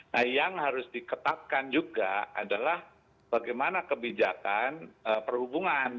nah yang harus diketatkan juga adalah bagaimana kebijakan perhubungan